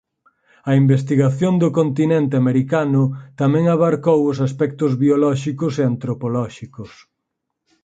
A investigación do continente americano tamén abarcou os aspectos biolóxicos e antropolóxicos.